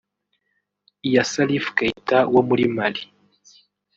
ya Salif Keita wo muri Mali